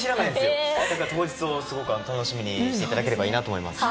当日をすごく楽しみにしていただければいいなと思います。